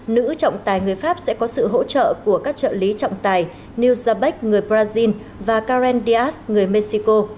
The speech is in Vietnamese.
nữ trọng tài người pháp sẽ có sự hỗ trợ của các trợ lý trọng tài nils zabek người brazil và karen diaz người mexico